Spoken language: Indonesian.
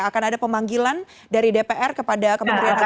akan ada pemanggilan dari dpr kepada kementerian agama